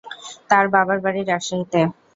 তার বাবার বাড়ি রাজশাহীতে।